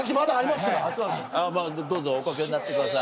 まぁどうぞお掛けになってください。